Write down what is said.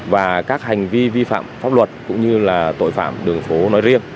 và các hành vi vi phạm pháp luật cũng như là tội phạm đường phố nói riêng